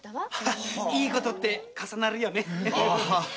いい事って重なるよね。